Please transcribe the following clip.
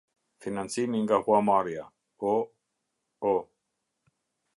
Financimi nga Huamarrja O o.